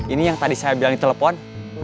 ini yang tadi saya bilang di telepon